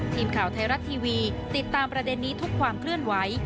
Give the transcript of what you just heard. ทีมข่าวไทยรัฐทีวีติดตามประเด็นนี้ทุกความเคลื่อนไหว